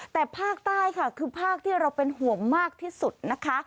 แต่ภาคใต้ค่ะคือภาคที่เราเป็นห่วงมากที่สุดนะคะ